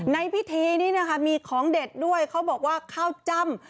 ในพิธีนี้นะคะมีของเด็ดด้วยเขาบอกว่าข้าวจ้ำ